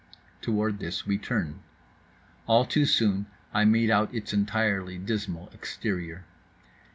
Toward this we turned. All too soon I made out its entirely dismal exterior.